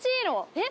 えっ？